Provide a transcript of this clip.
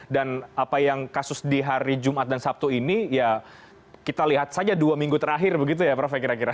apa yang kasus di hari jumat dan sabtu ini ya kita lihat saja dua minggu terakhir begitu ya prof ya kira kira